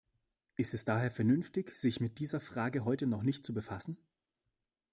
Ist es daher vernünftig, sich mit dieser Frage heute noch nicht zu befassen?